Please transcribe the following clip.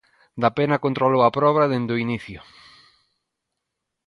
Dapena controlou a proba dende o inicio.